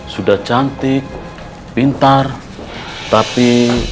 sudah cantik pintar tapi